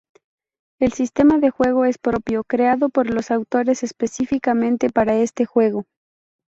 El sistema de juego es propio, creado por los autores específicamente para este juego.